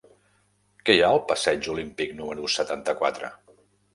Què hi ha al passeig Olímpic número setanta-quatre?